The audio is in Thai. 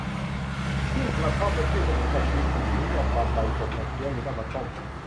พืชกระท่อม เป็นพืชสมุนไพรชนิดหนึ่ง นิยมนำใบสดมาเคี้ยว หรือนำมาต้ม